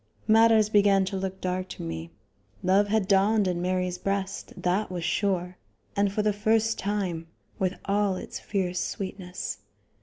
Matters began to look dark to me. Love had dawned in Mary's breast, that was sure, and for the first time, with all its fierce sweetness.